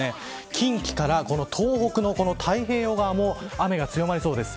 近畿から東北の太平洋側も雨が強まりそうです。